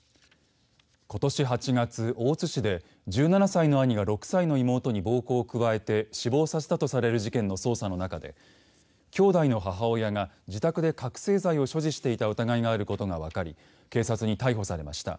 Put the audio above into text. ことし８月、大津市で１７歳の兄が６歳の妹に暴行を加えて死亡させたとされる事件の捜査の中できょうだいの母親が自宅で覚醒剤を所持していた疑いがあることが分かり警察に逮捕されました。